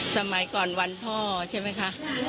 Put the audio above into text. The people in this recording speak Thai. สมัยก่อนวันพ่อใช่ไหมคะ